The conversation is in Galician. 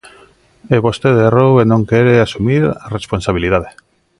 E vostede errou e non quere asumir a responsabilidade.